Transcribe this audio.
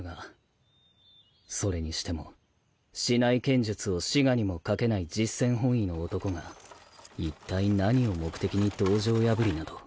それにしても竹刀剣術を歯牙にもかけない実戦本位の男がいったい何を目的に道場破りなど